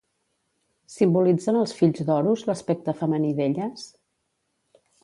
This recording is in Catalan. Simbolitzen els fills d'Horus l'aspecte femení d'elles?